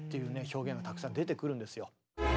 表現がたくさん出てくるんですよ。